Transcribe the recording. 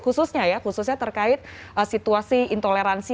khususnya terkait situasi intoleransi